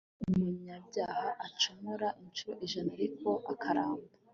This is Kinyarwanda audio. nubwo umunyabyaha acumura incuro ijana ariko akaramba